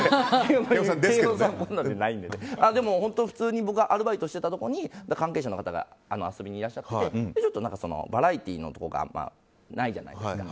でも、僕がアルバイトしていたところに関係者の方が遊びにいらっしゃってちょっとバラエティーの人がいないじゃないですか。